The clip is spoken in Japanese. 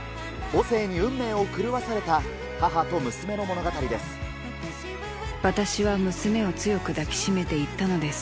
母性に運命を狂わされた母と娘の物語です。